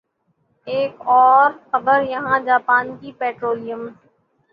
ایک اور خبر یہاں جاپان کی پٹرولیم